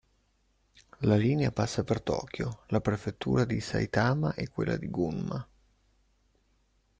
La linea passa per Tokyo, la prefettura di Saitama e quella di Gunma.